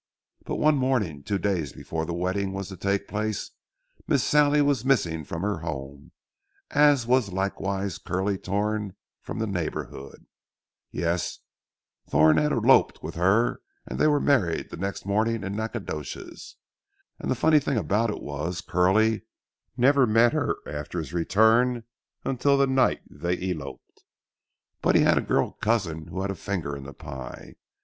But one morning, two days before the wedding was to take place, Miss Sallie was missing from her home, as was likewise Curly Thorn from the neighborhood. Yes, Thorn had eloped with her and they were married the next morning in Nacogdoches. And the funny thing about it was, Curly never met her after his return until the night they eloped. But he had a girl cousin who had a finger in the pie.